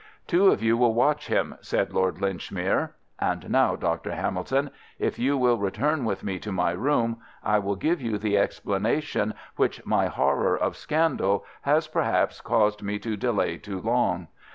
"Two of you will watch him," said Lord Linchmere. "And now, Dr. Hamilton, if you will return with me to my room, I will give you the explanation which my horror of scandal has perhaps caused me to delay too long.